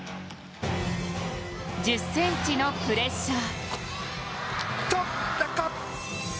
１０ｃｍのプレッシャー。